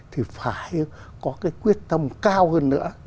thì phải có cái quyết tâm cao hơn nữa